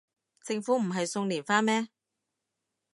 政府唔係送連花咩